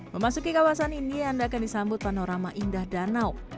memasuki kawasan ini anda akan disambut panorama indah danau